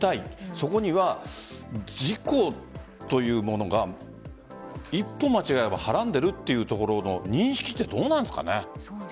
そこには事故というものが一歩間違えればはらんでいるというところの認識はどうなんですかね。